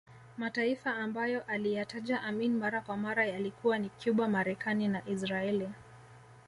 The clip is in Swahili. Mataifa ambayo aliyataja Amin mara kwa mara yalikuwa ni Cuba Marekani na Israeli